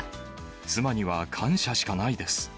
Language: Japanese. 妻には感謝しかないです。